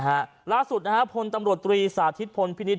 ล่าสุดนะฮะพลตำรวจตรีสาธิตพลพินิษ